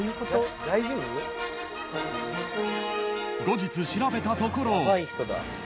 ［後日調べたところ